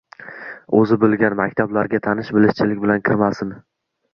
O‘zi bilgan maktablarga tanish-bilishchilik bilan kirmasin.